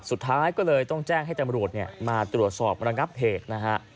สุดท้ายก็เลยต้องแจ้งให้ตำรวจมาตรวจสอบระงับเหตุนะฮะ